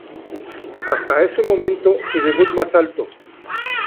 Hasta ese momento su debut más alto.